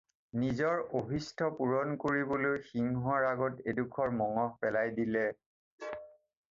নিজৰ অভীষ্ট পূৰণ কৰিবলৈ সিংহৰ আগত এডোখৰ মঙহ পেলাই দিলে।